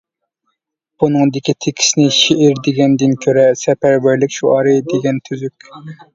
بۇنىڭدىكى تېكىستنى شېئىر دېگەندىن كۆرە سەپەرۋەرلىك شوئارى دېگەن تۈزۈك.